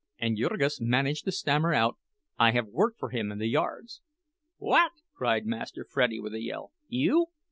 And Jurgis managed to stammer out: "I have worked for him in the yards." "What!" cried Master Freddie, with a yell. "_You!